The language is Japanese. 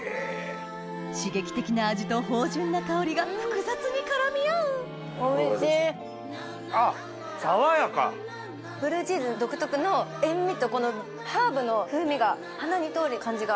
刺激的な味と芳醇な香りが複雑に絡み合うブルーチーズ独特の塩味とハーブの風味が鼻に通る感じが。